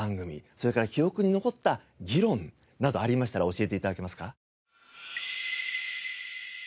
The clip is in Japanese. それから記憶に残った議論などありましたら教えて頂けますか？